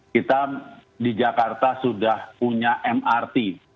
kita di jakarta sudah punya mrt